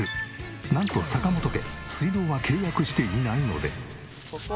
なんと坂本家水道は契約していないので。